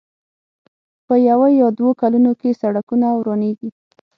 په يو يا دوو کلونو کې سړکونه ورانېږي.